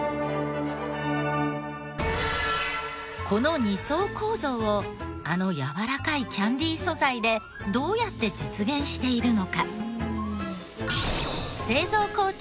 この２層構造をあのやわらかいキャンディー素材でどうやって実現しているのか？